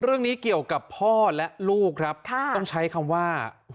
เรื่องนี้เกี่ยวกับพ่อและลูกครับต้องใช้คำว่า